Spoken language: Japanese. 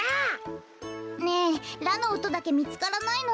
ねえラのおとだけみつからないの。